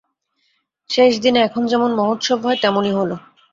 শেষ দিনে এখন যেমন মহোৎসব হয়, তেমনি হল।